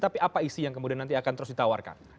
tapi apa isi yang kemudian nanti akan terus ditawarkan